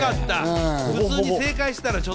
普通に正解してたらね。